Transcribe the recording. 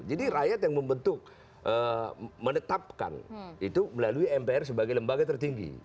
jadi rakyat yang membentuk menetapkan itu melalui mpr sebagai lembaga tertinggi